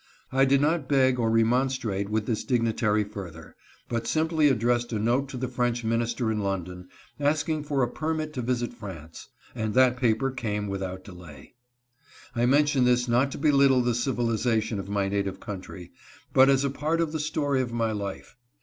I did not beg or remonstrate with this dignitary further, but simply addressed a note to the French minister in London asking for a permit to visit France, and that paper came without delay. I mention this not to belittle the civilization of my native country, but as a part of the story of my life.